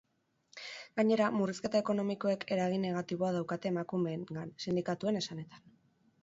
Gainera, murrizketa ekonomikoek eragin negatiboa daukate emakumeengan, sindikatuen esanetan.